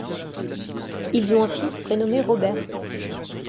Ils ont un fils prénommé Robert.